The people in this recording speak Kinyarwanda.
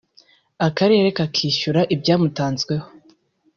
akarere kakishyura ibyamutazweho